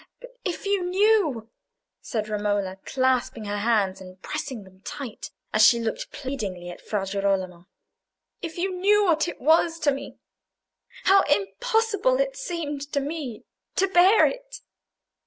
"But if you knew," said Romola, clasping her hands and pressing them tight, as she looked pleadingly at Fra Girolamo; "if you knew what it was to me—how impossible it seemed to me to bear it."